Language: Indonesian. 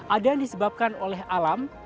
ada yang disebabkan oleh alam